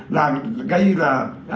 là gây là